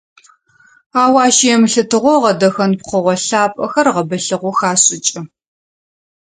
Ау ащ емылъытыгъэу гъэдэхэн пкъыгъо лъапӏэхэр гъэбылъыгъэу хашӏыкӏы.